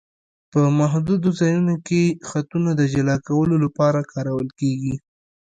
په محدودو ځایونو کې خطونه د جلا کولو لپاره کارول کیږي